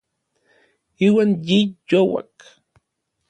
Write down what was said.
Iuan yi youak.